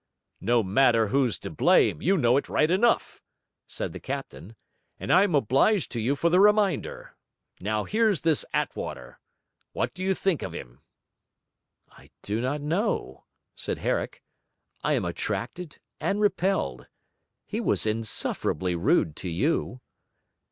'No matter who's to blame, you know it, right enough,' said the captain, 'and I'm obliged to you for the reminder. Now here's this Attwater: what do you think of him?' 'I do not know,' said Herrick. 'I am attracted and repelled. He was insufferably rude to you.'